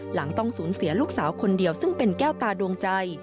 หลังต้องสูญเสียลูกสาวคนเดียวซึ่งเป็นแก้วตาดวงใจ